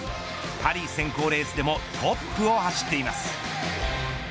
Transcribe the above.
パリ選考レースでもトップを走っています。